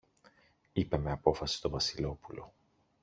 είπε με απόφαση το Βασιλόπουλο.